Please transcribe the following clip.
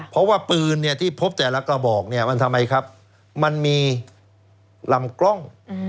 เพราะว่าปืนเนี่ยที่พบแต่ละกระบอกเนี่ยมันทำไมครับมันมีลำกล้อง